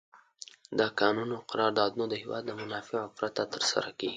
د کانونو قراردادونه د هېواد د منافعو پرته تر سره کیږي.